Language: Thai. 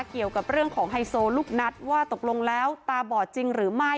เกี่ยวกับเรื่องของไฮโซลูกนัดว่าตกลงแล้วตาบอดจริงหรือไม่